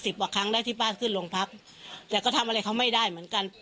สิบหวังครั้งแล้วที่ป้าขึ้นลงพักแต่ก็ทำอะไรเขาไม่ได้เหมือนกัน